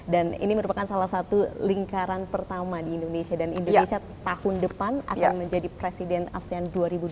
dan ini merupakan salah satu lingkaran pertama di indonesia dan indonesia tahun depan akan menjadi presiden asean dua ribu dua puluh tiga